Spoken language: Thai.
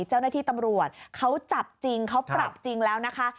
เจ้าหน้าที่ตำรวจเขาจับจริงเขาปรับจริงแล้วนะคะ